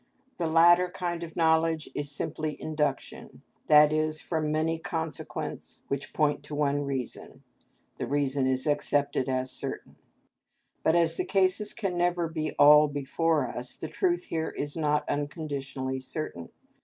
The latter kind of knowledge is simply induction, i.e., from many consequents which point to one reason, the reason is accepted as certain; but as the cases can never be all before us, the truth here is not unconditionally certain.